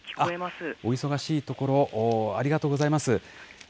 お忙しいところ、ありがとうございます。